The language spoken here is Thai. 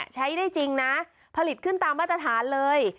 ใช้ได้จริงนะผลิตขึ้นตามมาตรฐานเลย